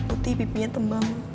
putih pipinya tembang